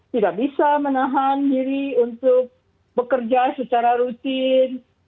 tidak bisa menahan diri untuk bekerja secara rutin